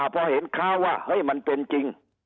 พอเห็นคราวว่ามันเป็นจริง